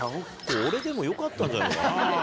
俺でもよかったんじゃないかな。